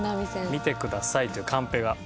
「見てください！」というカンペが。